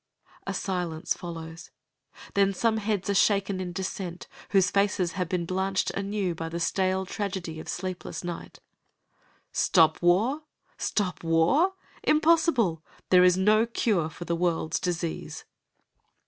A silence follows, then some heads are shaken in dissent whose faces have been blanched anew by the stale tragedy of sleepless night "Stop war? Stop war? Impossible! There is no cure for the world's disease."